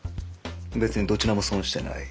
別にどちらも損してない。